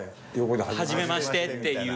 はじめましてっていう。